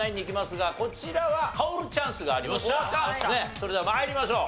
それでは参りましょう。